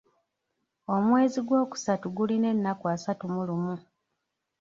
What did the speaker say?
Omwezi gwokusatu gulina ennaku asatu mu lumu.